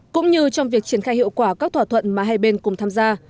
cũng như trong việc triển khai hiệu quả các thỏa thuận mà hai bên cùng tham gia